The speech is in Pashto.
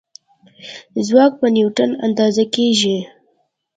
ځواک په نیوټن اندازه کېږي.